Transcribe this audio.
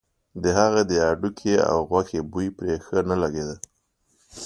د هغه د هډوکي او غوښې بوی پرې ښه نه لګېده.